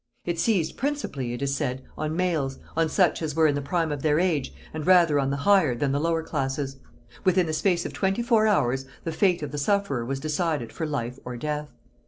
It seized principally, it is said, on males, on such as were in the prime of their age, and rather on the higher than the lower classes: within the space of twenty four hours the fate of the sufferer was decided for life or death.